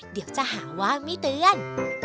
เดี๋ยวจะหาว่าไม่เตือน